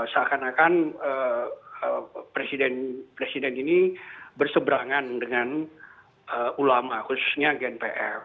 seakan akan presiden ini berseberangan dengan ulama khususnya gnpf